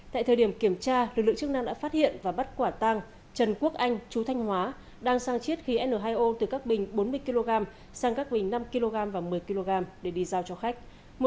tại thời điểm kiểm tra lực lượng chức năng đã phát hiện và bắt quả tăng trần quốc anh chú thanh hóa đang sang chiết khí n hai o từ các bình bốn mươi kg sang các bình năm kg và một mươi kg để đi giao cho khách